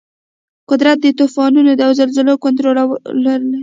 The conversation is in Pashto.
قدرت د طوفانونو او زلزلو کنټرول لري.